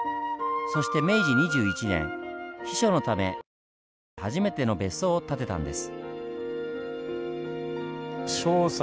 そして明治２１年避暑のため軽井沢で初めての別荘を建てたんです。